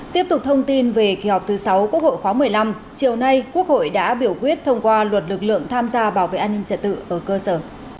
tiếp tục thông tin về kỳ họp thứ sáu quốc hội khóa một mươi năm chiều nay quốc hội đã biểu quyết thông qua luật lực lượng tham gia bảo vệ an ninh trật tự ở cơ sở